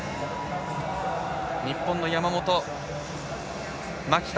日本の山本、蒔田